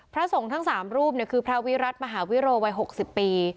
พระสงฆ์ทั้ง๓รูปคือพระวิรัติมหาวิโรวัย๖๐ปี